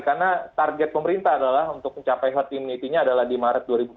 karena target pemerintah adalah untuk mencapai herd immunity nya adalah di maret dua ribu dua puluh dua